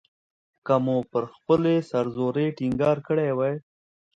که مو پر خپلې سر زورۍ ټینګار کړی وای.